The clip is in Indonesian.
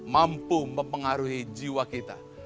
mampu mempengaruhi jiwa kita